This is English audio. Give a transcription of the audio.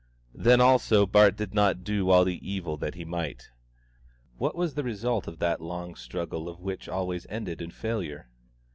Then, also, Bart did not do even all the evil that he might. What was the result of that long struggle of his which always ended in failure?